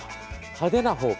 派手な方か。